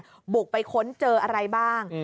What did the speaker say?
ที่บ้านญาติบุกไปค้นเจออะไรบ้าง